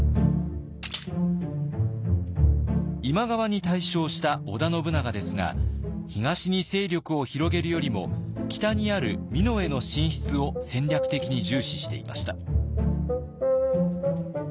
今川に大勝した織田信長ですが東に勢力を広げるよりも北にある美濃への進出を戦略的に重視していました。